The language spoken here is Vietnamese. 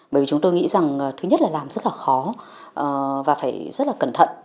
bởi vì chúng tôi nghĩ rằng thứ nhất là làm rất là khó và phải rất là cẩn thận